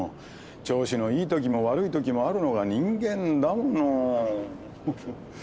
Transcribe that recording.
調子のいいときも悪いときもあるのが人間だもの。